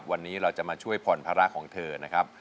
วันนี้เราจะมาช่วยผ่อนภาระของเธอนะครับ